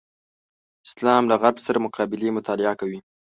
اسلام له غرب سره مقابلې مطالعه کوي.